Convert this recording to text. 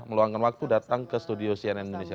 meluangkan waktu datang ke studio cnn indonesia